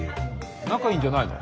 仲いいんじゃないの？